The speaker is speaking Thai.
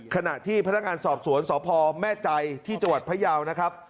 ขณะที่พนักงานสอบสวนสพแม่ใจที่จังหวัดพยาวนะครับ